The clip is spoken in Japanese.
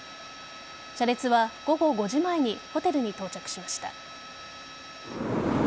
車列は午後５時前にホテルに到着しました。